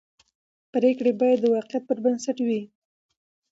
پرېکړې باید د واقعیت پر بنسټ وي